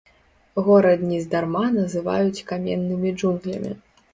Горад нездарма называюць каменнымі джунглямі.